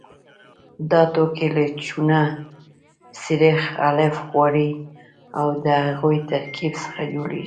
دا توکي له چونه، سريښ، الف غوړي او د هغوی ترکیب څخه جوړیږي.